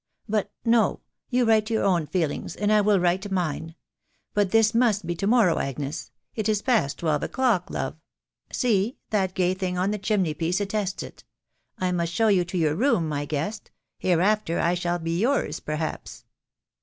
... But, no; you write your own feelings, and I wiH write mine. ••• But this must be to morrow, Agnes ;••»•& is past twelve o'clock, love. See t that gay thing on the chim ney piece attests it ... I must show you to your room, my guest ; hereafter I shall be yours, perhaps.